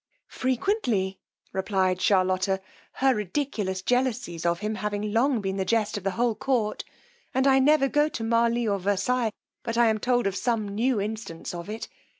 frequently, replied Charlotta; her ridiculous jealousies of him have long been the jest of the whole court; and I never go to Marli or Versailles, but I am told of some new instance of it.